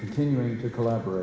untuk terus berkolaborasi